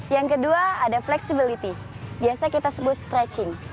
yang kedua ada flexibility biasa kita sebut stretching